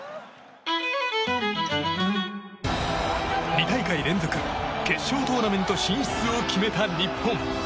２大会連続、決勝トーナメント進出を決めた日本。